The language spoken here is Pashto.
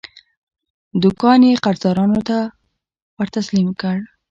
دوکان یې قرضدارانو ته ورتسلیم کړ.